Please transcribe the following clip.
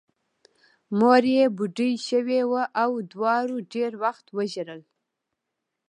مور یې بوډۍ شوې وه او دواړو ډېر وخت وژړل